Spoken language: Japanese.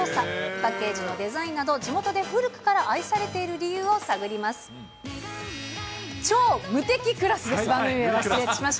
パッケージのデザインなど、地元で古くから愛されている理由を探ります。